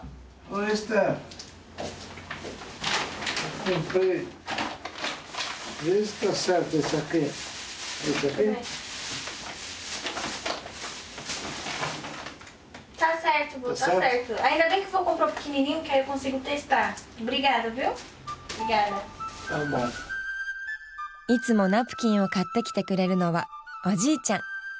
いつもナプキンを買ってきてくれるのはおじいちゃん。